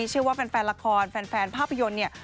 เชื่อว่าแฟนละครแฟนภาพยนตร์เนี่ย